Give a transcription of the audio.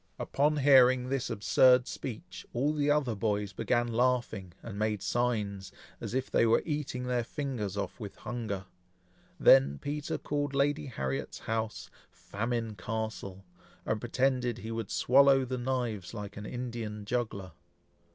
Upon hearing this absurd speech, all the other boys began laughing, and made signs, as if they were eating their fingers off with hunger. Then Peter called Lady Harriet's house "Famine Castle," and pretended he would swallow the knives like an Indian juggler.